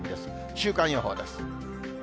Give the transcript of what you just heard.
週間予報です。